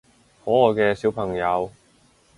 可愛嘅小朋友